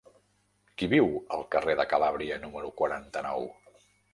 Qui viu al carrer de Calàbria número quaranta-nou?